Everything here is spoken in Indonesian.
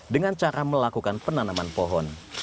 dengan cara melakukan penanaman pohon